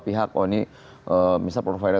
pihak oh ini misal provider